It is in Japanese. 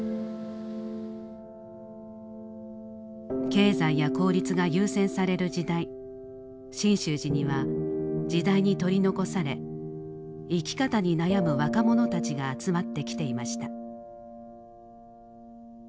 経済や効率が優先される時代真宗寺には時代に取り残され生き方に悩む若者たちが集まってきていました。